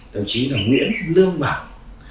đồng chí là nguyễn lương bằng